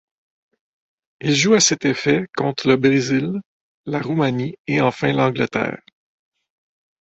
Il joue à cet effet contre le Brésil, la Roumanie, et enfin l'Angleterre.